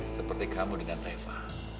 seperti kamu dengan reva